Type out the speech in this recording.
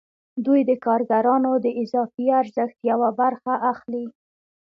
دوی د کارګرانو د اضافي ارزښت یوه برخه اخلي